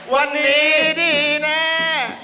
วันนี้ดีแน่